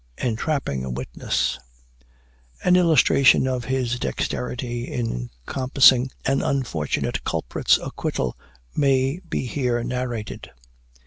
ENTRAPPING A WITNESS. An illustration of his dexterity in compassing an unfortunate culprit's acquittal may be here narrated.